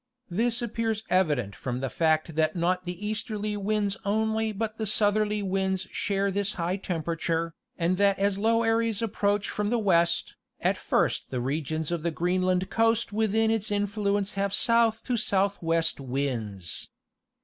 This appears evident from the fact that not the easterly winds only but the southerly winds share this high tem perature, and that as low areas approach from the west, at first the regions of the Greenland coast within its influence have south to southwest winds.